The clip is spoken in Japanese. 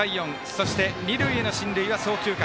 そして、二塁への進塁は送球間。